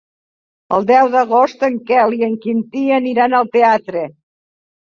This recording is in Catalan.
El deu d'agost en Quel i en Quintí aniran al teatre.